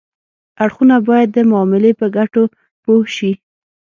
اړخونه باید د معاملې په ګټو پوه شي